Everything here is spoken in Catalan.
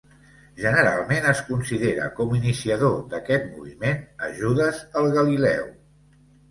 Generalment es considera com iniciador d'aquest moviment a Judes el Galileu.